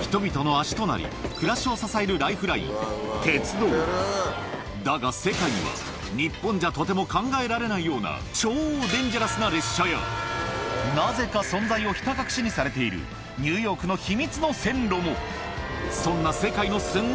人々の足となり暮らしを支えるライフラインだが世界には日本じゃとても考えられないような超デンジャラスな列車やなぜか存在をひた隠しにされているそんな世界のすんごい